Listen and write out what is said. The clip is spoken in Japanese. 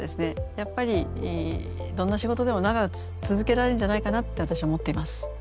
やっぱりどんな仕事でも長く続けられるんじゃないかなって私は思っています。